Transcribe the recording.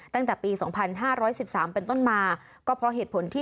ตั้งแต่ปี๒๕๑๓เป็นต้นมาก็เพราะเหตุผลที่